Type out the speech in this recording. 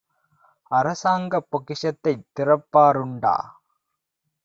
அரசாங்கப் பொக்கிஷத்தைத் திறப்பா ருண்டா?